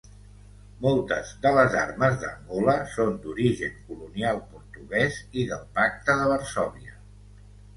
Moltes de les armes d'Angola són d'origen colonial portuguès i del Pacte de Varsòvia.